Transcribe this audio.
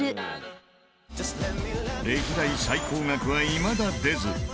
歴代最高額はいまだ出ず。